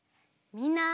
みんな！